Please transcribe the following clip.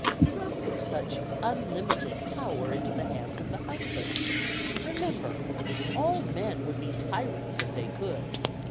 Do not put such unlimited power into the hands of the husbands. Remember, all men would be tyrants if they could.